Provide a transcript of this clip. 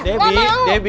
gak boleh gitu ayo debi